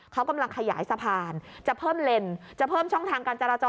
เขากำลังขยายสะพานจะเพิ่มเลนจะเพิ่มช่องทางการจราจร